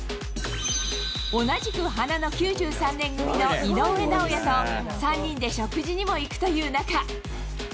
同じく花の９３年組の井上尚弥と、３人で食事にも行くという仲。